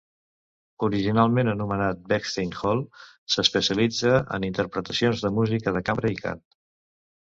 Originalment anomenat Bechstein Hall, s'especialitza en interpretacions de música de cambra i cant.